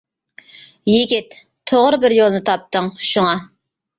يىگىت، توغرا بىر يولنى تاپتىڭ، شۇڭا.